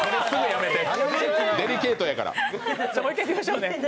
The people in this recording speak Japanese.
もう一回いきましょう。